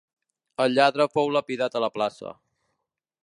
El lladre fou lapidat a la plaça.